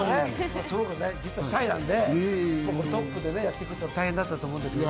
実はシャイなんでトップでね、やっていくと大変だったと思うけど。